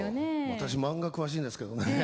私漫画詳しいんですけどね。